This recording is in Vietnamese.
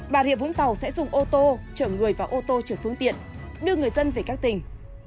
bà rịa vũng tàu sẽ dùng ô tô chở người và ô tô chở phương tiện đưa người dân về các tỉnh